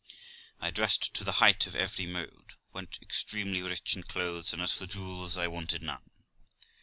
I dressed to the height of every mode, went extremely rich in clothes, and, as for jewels, I wanted none.